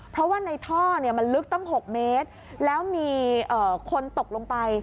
เพราะว่าในท่อเนี่ยมันลึกตั้ง๖เมตรแล้วมีคนตกลงไป